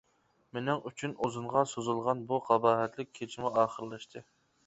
مېنىڭ ئۈچۈن ئۇزۇنغا سوزۇلغان بۇ قاباھەتلىك كېچىمۇ ئاخىرلاشتى.